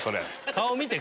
顔見て！